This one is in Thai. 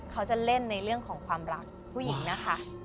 เขาจะเล่นในเรื่องของความรักผู้หญิงนะคะ